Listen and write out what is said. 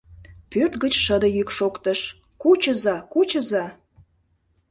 Пӧрт гыч шыде йӱк шоктыш: «Кучыза, кучыза!».